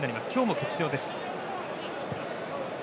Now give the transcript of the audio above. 今日も欠場です。